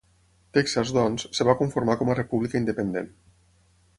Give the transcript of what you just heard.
Texas, doncs, es va conformar com a república independent.